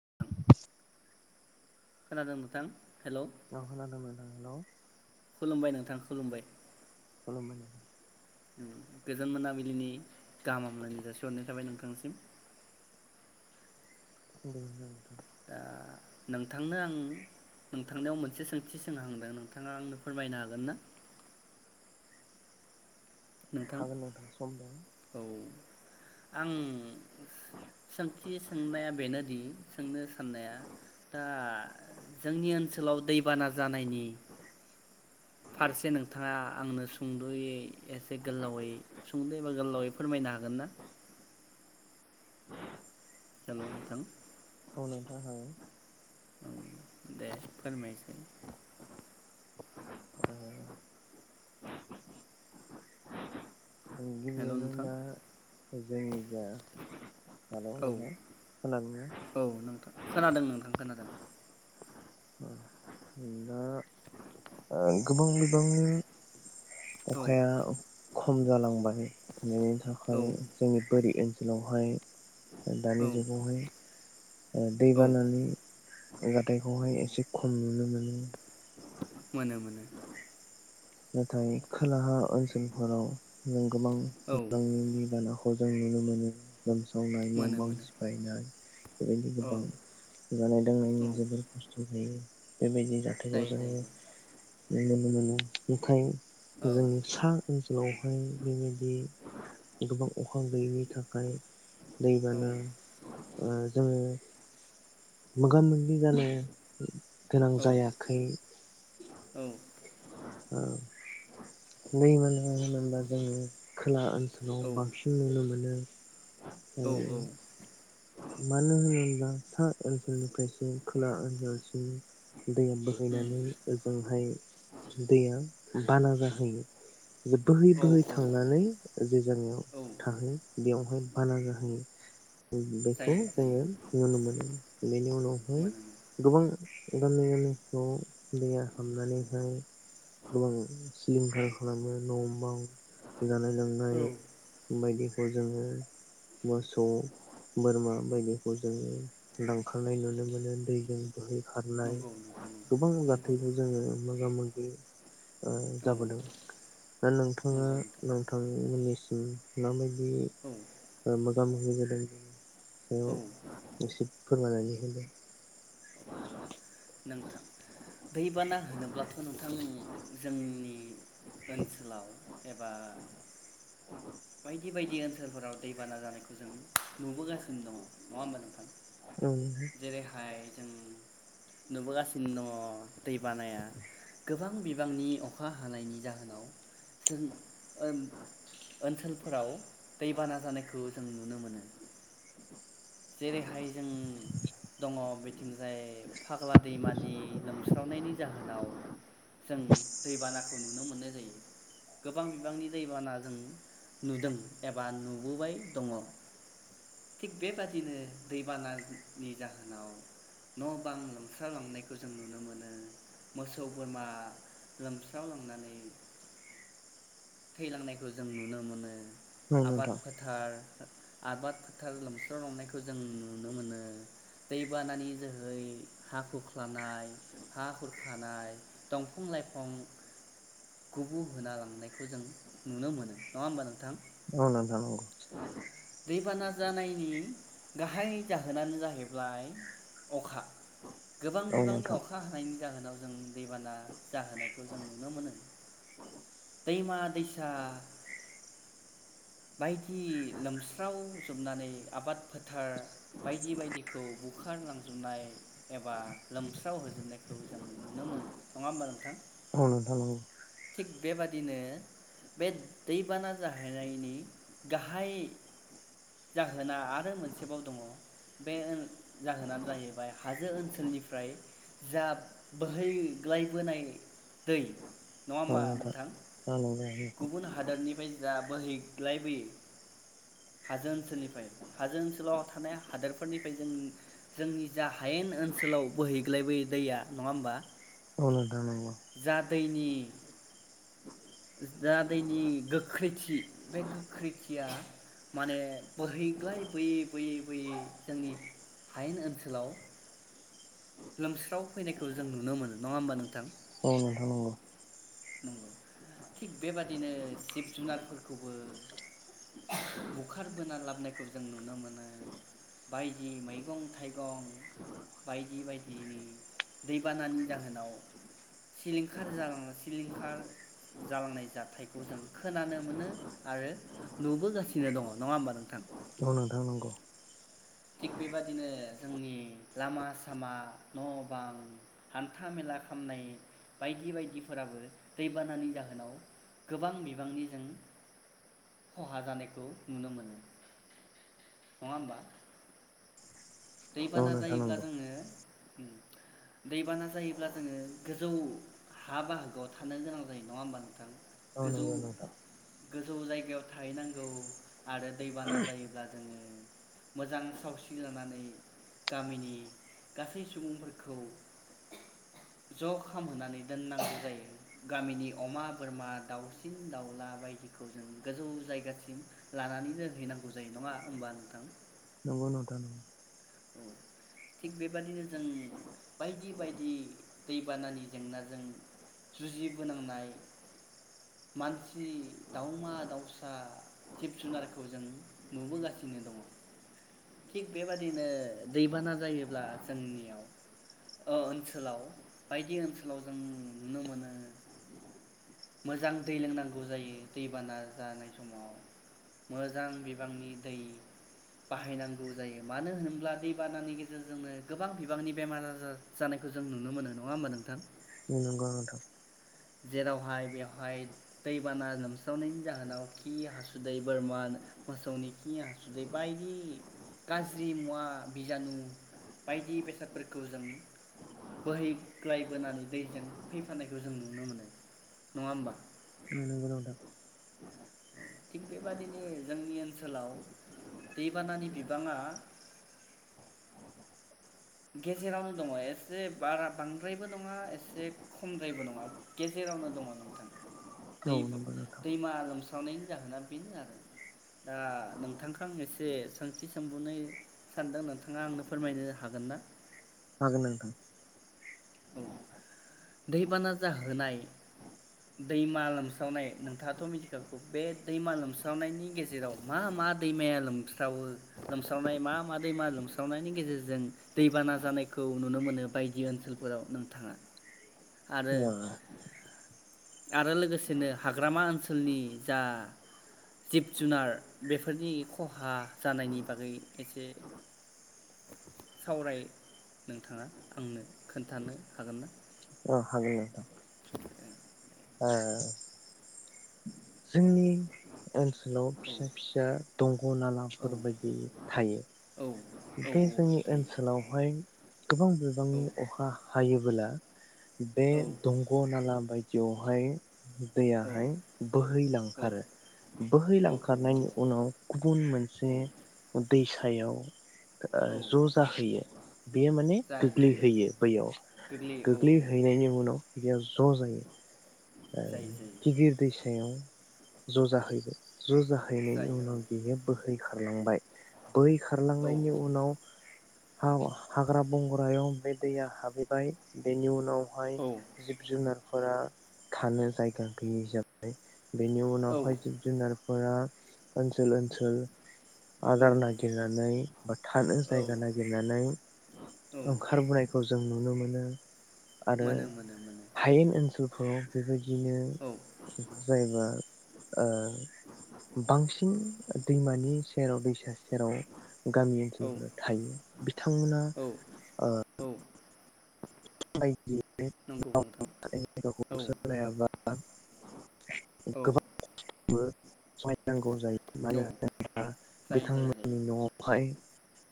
[inaudible] खोनादों नोंथां हेलौ औ खोनादों नोंथां हेलौ खुलुमबाय नोंथां खुलुमबाय खुलुमबाय नोंथां गोजोन मोनाबिलिनि गाहाम हामलायनाय जाासिहरनाय थाबाय नोंथांनिसिम [unintelligible] नोंथां ओ नोंथांनो आं नोंथांनाव मोनसे सोंथि सोंहांदों नोंथां आंनो फोरमायनो हागोन ना नोंथां हागोन सम दं औ आं सोंथि सोंनाया बेनोदि सोंनो साननाया दा जोंनि ओनसोलाव दैबाना जानायनि फारसे नोंथांङा आंनो सुंद'यै एसे गोलावै सुंदयै एबा गोलावै फोरमायनो हागोन ना हेलौ नोंथां औ नोंथां हागोन औ दे फोरमायनोसै हागोन ओ हेलौ गिबियावनो नोंथां दा जोंनि जा हेलौ औ नोंथां खोनादोंना औ नोंथां खोनादों नोंथां खोनादों दा गोबां बिबांनि औ अखाया खम जालांबाय बेनि औ थाखाय जोंनि बोरि ओनसोलाव ओनसोलाव हाय औ दानि जुगावहाय ओ औ दैबानानि जाथायखौहाय एसे खम नुनो मोनो। मोनो - मोनो नाथाय खोलाहा ओनसोलफोराव जों गोबां औ बिबांनि दै बाना खौ जों नुनो मोनो लोमसावनाय न' मोनो बां मोनो सिफायनाय बेबायदि औ गोबां जानाय लोंनायनि औ जोबोर खस्थ' हायो बेबायदि जाथायखौ जायो जोंङो जायो नुनो मोनो ओंखाय औ जोंनि सा ब ओनसोलावहाय बेबायदि गोबां अखा गैयैनि थाखाय औ दैबाना जोङो मोगा मोगि जानाय गोनां औ जायाखै औ [unintelligible] औ [unintelligible] खोला ओन ओनसोलाव बांसिन नुनो मोनो [unintelligible] औ ओ औ मानो होनोब्ला सा ओनसोलनिफ्रायसो खोला ओनसोलसिम दै उम बोहैनानै ओजोंहाय दैया बाना जाहैयो बोहै औ बोहै औ थांनानै जे जायगायाव औ थाहैयो बेयावहाय बाना जाहैयो [unintelligible] खौ जायो जोङो जायो नुनो मोनो बेनि उनावहाय मोनो मोनो गोबां इदिनो न'आव दैया हाबनानैहाय गोबां सिलिंखार खालामो न' बां जानाय लोंनाय औ बायदि खौ जोङो मोसौ बोरमा बायदिखौ जोङो लांखारनाय नुनो मोनो दैजों बोहैखारनाय नंगौ नोंथां गोबां नंगौ नंगौ जाथायजों जोङो मोगा -मोगि ओ औ जाबोदों दा नोंथाङा नंगौ नोंथां नोंथांमोननि [unintelligible] औ [unintelligible] ओ [unintelligible] [unintelligible] औ बेयाव एसे फोरमायनानै होदो [inaudible] नोंथां दैबाना होनोब्लाथ' नोंथां जोंनि ओनसोलाव एबा बायदि बायदि ओनसोलफोराव दैबाना जानाय जों नुबोगासिनो दङ नङा होमबा नोंथां औ जेरैहाय जों नुबोगासिनो दङ दै बानाया गोबां बिबांनि अखा हानायनि जाहोनाव जों ओम ओनसोलफोराव दैबाना जानायखौ जों नुनो मोनो जेरैहाय जों दङ बिथिंजाय फाग्ला दैमा नि लोमसाव स्रावनायनि जाहोनाव जों दैबाना खौ नुनो मोननाय जायो गोबां बिबांनि दैबाना जों नुदों एबा नुबोबाय दङ' थिग बे बेबादिनो दैबानानि जाहोनाव न' बां लोमस्राव लांनायखौ जों नुनो मोनो मोसौ बोरमा लोमस्राव लांनानै थैलांनायखौ जों नुनो मोनो आबाद नोंथां फोथार आबाद फोथार लोमस्रावलांनायखौ जों नुनो मोनो, दैबानानि जोहै हााखुख्लानाय, हा हुरखानाय, दंफां लाइफां गुबुं होना लांनायखौ खौ जों नुनो मोनो नङा होमबा नोंथां? औ नोंथां औ दैबाना जानायनि गाहाय जाहोनानो जाहैबाय अखा गोबां बिबांनि नोंथां नंगौ अखा हानायनि जाहोनाव दैबाना जाहोनायखौ जों नुनो मोनो दैमा दैसा बायदि लोमस्रावजोबनानै आबाद फोथार बायदि बायदिखौ बुखारलांजोबनाय एबा लोमस्राव होजोबनायखौ जों नुनो मोनो नङा होमबा नोंथां? औ नोंथां नंगौ थिग बेबादिनो बे दैबाना जाहैनायनि गाहाय जाहोना आरो मोनसेबाव दङ बे जाहोनानो जाहैबाय हाजो ओनसोलनिफ्राय जा बोहैग्लायबोनाय दै नङा होमबा नोंथां गुबुन हादोरनिफ्राय जा बोहैग्लायबोयो हाजो ओनसोलनिफ्राय हाजो ओनसोलाव थानाय हादोरफोरनिफ्राय जों जोंनि जा हायेन ओनसोलाव बोहैग्लायबोयो दैया नङा होमबा औ नोंथां औ नंगौ जा दैनि द दैनि गोख्रैथि बे गोख्रैथिया माने बोहैग्लाय बोयै बोयै बोयै जोंनि हायेन ओनसोलाव लोमस्राव फैनायखौ जों नुनो मोनो नङा होमबा नोंथां? औ नोंथां नंगौ नंगौ थिग बेबादिनो जिब जुनारफोरखौबो बुखारबोना लाबोनायखौ जों नुनो मोनो बायदि मैगं थाइगं बायदि बायदिनि दैबानानि जाहोनाव सिलिंखार जालांनोसै सिलिंखार जालांनाय जाथायखौ जों खोनानो मोनो आरो नुबोगासिनो दङ' नङा होमबा नोंथां औ नोंथां नंगौ थिग बेबादिनो जोंनि लामा सामा न' बां हान्था मेला खामनाय बायदि बायदिफोराबो दैबानानि जाहोनाव गोबां बिबांनिजों खहा जानायखौ नुनो मोनो नङा होमबा? औ दैबाना नोंथां नंगौ औ नोंथां जायोब्ला नंगौ जोङो दैबाना जायोब्ला जोङो गोजौ हा बाहागोआव थानो गोनां जायो नङा होमबा नोंथां औ गोजौ नंगौ नोंथां गोजौ जायगायाव थाहैनांगौ आरो दैबाना जायोब्ला जोङो मोजां सावस्रि लानानै गामिनि गासै सुबुंफोरखौ ज' खामहोनानै दोननांगौ जायो गामिनि अमा बोरमा दाउसिन दाउला बायदिखौ जों गोजौ जायगासिम लानानै दोनहैनांगौ जायो नङा होमबा नोंथां? नंगौ नोंथां नंगौ औ थिग बेबादिनो जों बायदि बायदि दैबानानि जेंनाजों जुजिबोनांनाय मानसि दावमा दाावसा जिब जुनारखौ जों नुबोगासिनो दङ थिग बेबादिनो नो‌ दैबाना जायोब्ला जोंनियाव ओनसोलाव बायदि ओनसोलाव जों नुनो मोनो मोजां दै लोंनांगौ जायो दैबाना जानाय समाव मोजां बिबांनि दै बाहायनांगौ जायो मानो होनोब्ला दै बानानि गेजेरजोंनो गोबां बिबांनि बेमार आजार जानायखौ जों नुनो मोनो नङा होमबा नोंथां? नंगौ नोंथां जेरावहाय बेवहाय दैबाना लोमस्रावनायनि जाहोनाव खि हासुदै बोरमा मोसौनि खि हासुदै बायदि गाज्रि मुवा बिजानु बायदि बेसादफोरखौ जों बोहैग्लायबोनानै दैजों फैफानायखौ जों नु नुनो मोनो नङा होमबा नुनो मोनो नोंथां थिग बेबादिनो जोंनि ओनसोलाव दैबानानि बिबाङा गेजेरावनो दङ एसे बारा बांद्रायबो नङा एसे खमद्रायबो नङा गेजेरावनो दङ नोंथां औ दै नंगौ नोंथां दैमा लोमस्रावनायनि जाहोना बेनो आरो दा नोंथांखौ आं एसे सोंथि सोंबावनो सानदों नोंथाङा आंनो फोरमायनो हागोन ना हागोन नोंथां औ दैबाना जाहोनाय दैमा लोमस्रावनाय नोंथाङाथ' मिथिखागौ बे दैमा लोमस्रावनायनि गेजेराव मा मा दैमाया लोमस्रावो लोमस्रावनाय मा मा दैमा लोमस्रावनायनि गेजेरजों दैबाना जानायखौ नुनो मोनो बायदि ओनसोल फोराव नोंथाङा [unintelligible] आरो लोगोसेनो हाग्रामा ओनसोलनि जा जिब जुनार बेफोरनि खहा जानायनि बागै एसे सावराय नोंथाङा आंनो खोन्थानो हागोन ना? अ हागोन नोथां ओ औ जोंनि ओनसोलाव औ फिसा फिसा दंग औ नालाफोरबायदि थायो औ औ बे औ जोंनि थायो ओनसोलावहाय गोबां औ बिबांनि अखा हायो बोला बे औ दंग नाला बाय बेवहाय औ दैयाहाय औ बोहैलांखारो औ औ बोहैलांखारनायनि नंगौ उनाव गुबुन मोनसे औ दैसा थायाव ओ औ ज जाहैयो बेयो माने जायो जायो गोग्लैहैयो बैयाव गोग्लैयो औ औ गोग्लैहैनायनि उनाव बेयाव ज' जायो ओ जायो जायो गिदिर दैसायाव ज‌ जाहैयो ज‌‌' जाहैनायनि जायो उनाव बियो बोहै खारलांबाय बोहै औ औ खारलांनायनि उनाव हा- हाग्रा बंग्रायाव बे दैया हाबहैबाय बेनि उनाव बेहाय औ जिब जुनार फोरा थानो जायगा गैयि जाबाय बेनि औ उनावहाय जिब जुनार फोरा ओनसोल ओनसोल आदार औ नागिरनानै बा थानो औ जायगा नागिरनानै औ ओंखारबोनायखौ जों नुनो मोनो। आरो मोनो मोनो मोनो हायेन ओनसोल खौ बेबाय दिनो औ जायबा ओ बांसिन दैमानि सेराव दैसा सेराव गामि औ ओनसोलफोराव थायो बिथांमोना औ ओ औ [unintelligible] बा नंगौ नोंथां [unintelligible] [unintelligible] औ औ गोबां बो सहाय नांगौ जायो मानो जायो होनोब्ला जायो बिथांमोननि जायो न'आवहाय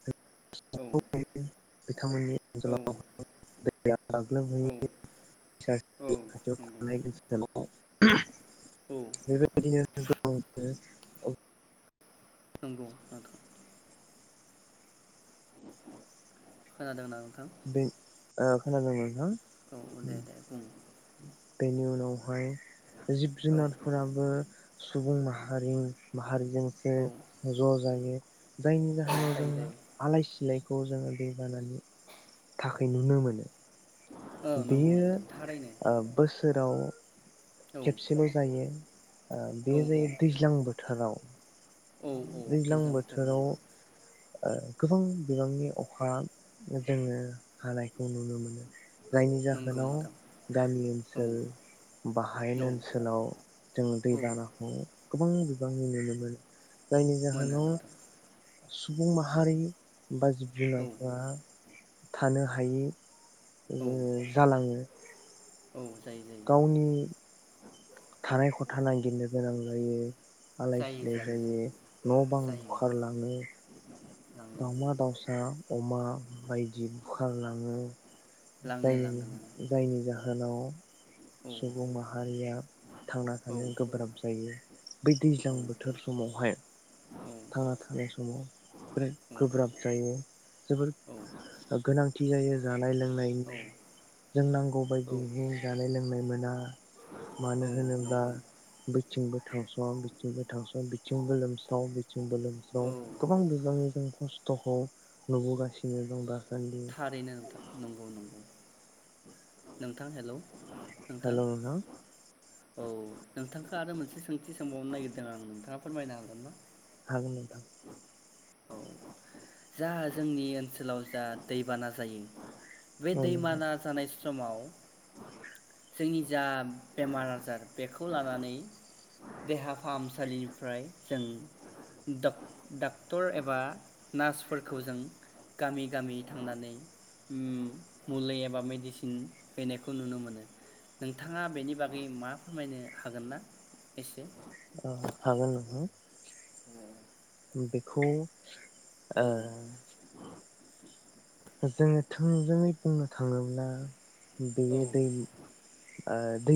[unintelligible] बिथांमोननि औ ओनसोलाव औ दैयाग्लोमहैयो औ खाथियाव थानाय नंगौ ओनसोलाव औ बेबायदिनो गोबां [unintelligible] नंगौ नोंथां खोनादों नों [unintelligible] थां बे ओ खोनादों नोंथां औ दे दे बुं बेनि उनावहाय जिब औ जुनारफोराबो सुबुं माहारि मा हारि जोंसो औ ज' जायो जायनि औ जाहोनाव जायो जोंहा जायो आलाय सिलाय खौ जोङो दैबानानि थाखाय नुनो मोनो। औ नंगौ बेयो नोंथां थारैनो ओ बोस सोराव औ खेबसेल' जायो। ओ बे औ जायो दैज्लां बोथोराव औ औ दैज्लां बोथोर बोथोराव नंगौ ओ गोबां बिबांनि अखा जोङो हानायखौ नुनो मोनो जायनि नंगौ जाहोनाव नोंथां गामि औ ओनसोल बा हायेन औ ओनसोलाव जों औ दैबानाखौ गोबां बिबांनि नुनो मोनो जायनि मोनो जाहोनाव नोंथां सुबुं माहारि बा जिब औ जुनारफोरा थानो हायि ओ औ जालाङो औ जायो जायो गावनि थानाय खथा नागिरनो गोनां जायो आलाय सिलाय जायो जायो लाङो अमा बायदि बुखारलाङो लाङो जायनि लाङो लाङो जायनि जाहोनाव जाहोनाव सुबुं औ माहारिया थांना थानो औ गोब्राब जायो बै दैज्लां बोथोर समावहाय औ औ थांना थानाय समाव बिराद औ गोब्राब जायो जोबोर औ ओ गोनां [unintelligible] जानाय लोंनाय औ जों नांगौ औ बायदिहै नाय मोना मानो औ होनोब्ला नंगौ बोथिं बो थांस' बिथिंबो थांस' बिथिंबो लोमसाव बिथिंबो लोमसाव औ गोबां बिबांनि जों ख स्थ'खौ नुबोगासिनो दं दा थारैनो नोंथां नंगौ नंगौ नों थां हेलौ नोंथां औ नोंथां आरो मोनसे सोंथि सोंबावनो नागिरदों आं नोंथाङा फोरमायनो हागोन ना हागोन नोंथां औ जा जोंनि ओनसोलाव जा दैबाना जायो बे औ नोंथां दैबाना जानाय समाव जोंनि जा बेमार आजार बेखौ लानानै देहा फाहामसालिनिफ्राय जों डाक्ट'र एबा नार्सफोरखौ जों गामि गामि थांनानै ओ मुलि एबा मेडिसिन हैनायखौ नुनो मोनो नोंथाङा बेनि बागै मा फोरमायनो हागोन ना एसे अ हागोन नोंथां [unintelligible] बेखौ ओ औ जोङो थोंजोङै बुंनो थाङोब्ला बियोे औ दै ओ दै